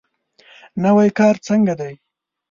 نوی کار څنګه دی؟